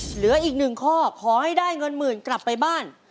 เหลืออีกหนึ่งข้อขอให้ได้เงินหมื่นกลับไปบ้าน